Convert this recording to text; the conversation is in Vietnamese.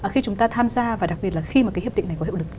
khi chúng ta tham gia và đặc biệt là khi mà cái hiệp định này có hiệu lực